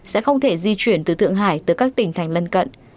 sẽ không thể di chuyển từ thượng hải tới các tỉnh thành lân cận